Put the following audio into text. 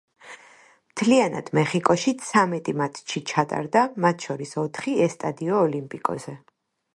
მთლიანად, მეხიკოში ცამეტი მატჩი ჩატარდა, მათ შორის ოთხი ესტადიო „ოლიმპიკოზე“.